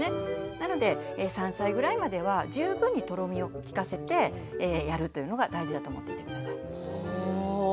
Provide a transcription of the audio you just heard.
なので３歳ぐらいまでは十分にとろみを効かせてやるというのが大事だと思っていて下さい。